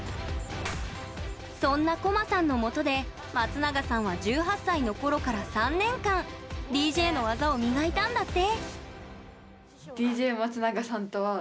そんなＣＯ‐ＭＡさんのもとで松永さんは１８歳のころから３年間ＤＪの技を磨いたんだって。